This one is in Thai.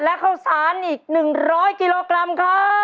และเข้าศร้านอีก๑๐๐กิโลกรัมครับ